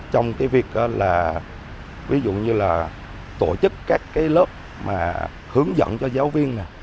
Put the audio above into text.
trong việc tổ chức các lớp hướng dẫn cho giáo viên